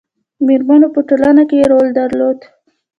میرمنو په ټولنه کې رول درلود